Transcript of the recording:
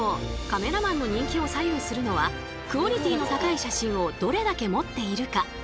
カメラマンの人気を左右するのはクオリティーの高い写真をどれだけ持っているか。